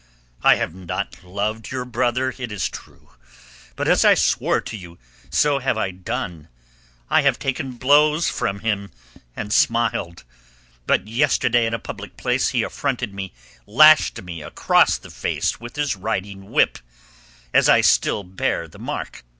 I have not loved your brother, it is true. But as I swore to you, so have I done. I have taken blows from him, and smiled; but yesterday in a public place he affronted me, lashed me across the face with his riding whip, as I still bear the mark.